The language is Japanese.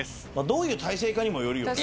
どういう体勢かにもよるよね。